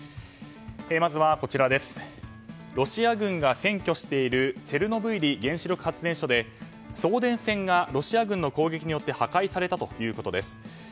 まずは、ロシア軍が占拠しているチェルノブイリ原子力発電所で送電線がロシア軍の攻撃によって破壊されたということです。